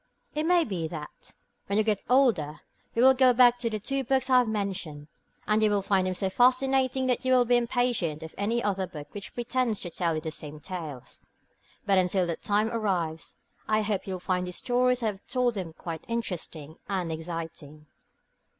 It may be that, when you get older, you will go back to the two books I have mentioned, and you will find them so fascinating that you will be impatient of any other book which pretends to tell you the same tales. But until that time arrives, I hope you will find the stories as I have told them quite interesting and exciting.